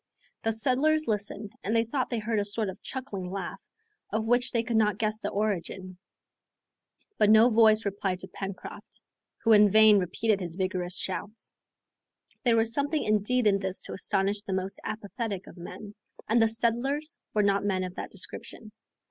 The settlers listened and they thought they heard a sort of chuckling laugh, of which they could not guess the origin. But no voice replied to Pencroft, who in vain repeated his vigorous shouts. There was something indeed in this to astonish the most apathetic of men, and the settlers were not men of that description.